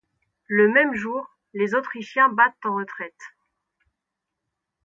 Le même jour, les Autrichiens battent en retraite.